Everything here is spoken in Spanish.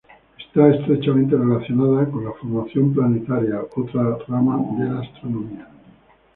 Está estrechamente relacionada con la formación planetaria, otra rama de la astronomía.